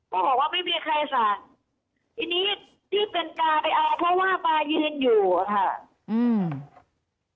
ก็บอกว่าไม่มีใครสั่งทีนี้ที่เป็นปลาไปเอาเพราะว่าปลายืนอยู่อะค่ะอืม